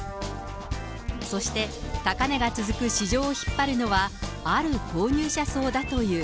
そして、高値が続く市場を引っ張るのは、ある購入者層だという。